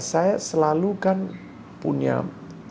saya selalu kan punya